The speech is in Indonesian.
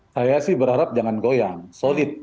saya sih berharap jangan goyang solid